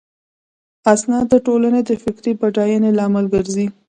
استاد د ټولنې د فکري بډاینې لامل ګرځي.